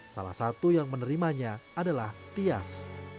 salah satu yang menerimanya adalah tias